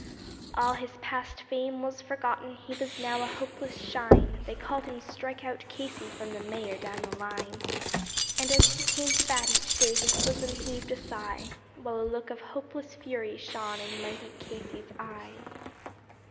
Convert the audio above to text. All his past fame was forgotten; he was now a hopeless "shine." They called him "Strike out Casey" from the mayor down the line. And as he came to bat each day his bosom heaved a sigh, While a look of hopeless fury shone in mighty Casey's eye.